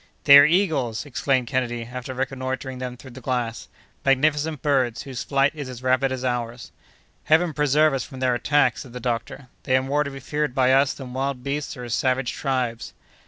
"They are eagles!" exclaimed Kennedy, after reconnoitring them through the glass, "magnificent birds, whose flight is as rapid as ours." "Heaven preserve us from their attacks!" said the doctor, "they are more to be feared by us than wild beasts or savage tribes."